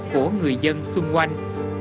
của người dân xung quanh